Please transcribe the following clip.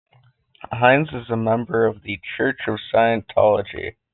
Hynes is a member of the Church of Scientology.